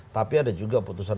tapi ada juga putusan